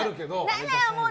何だよもう！